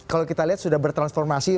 kalau kita lihat sudah bertransformasi